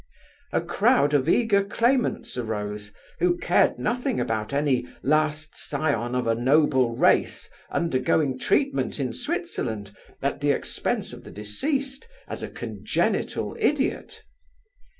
A crowd of eager claimants arose, who cared nothing about any last scion of a noble race undergoing treatment in Switzerland, at the expense of the deceased, as a congenital idiot.